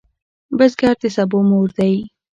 بزګر د سبو مور دی